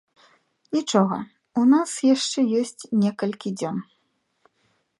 Нічога, у нас яшчэ ёсць некалькі дзён.